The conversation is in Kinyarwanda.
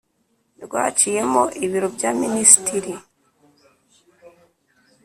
rwaciyemo Ibiro bya Minisitiri